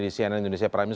di cnn indonesia prime news